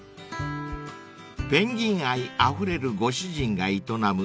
［ペンギン愛あふれるご主人が営む雑貨屋さんです］